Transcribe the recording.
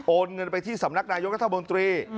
โอนเงินไปที่สำนักนายกระทะบงตรี